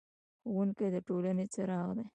ښوونکی د ټولنې څراغ دی.